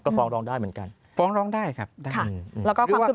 ก็ฟ้องร้องได้เหมือนกันฟ้องร้องได้ครับได้แล้วก็หรือว่า